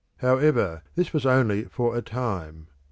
However, this was only for a time.